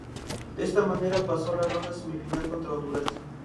De esta manera, pasó a la ronda semifinal contra Honduras.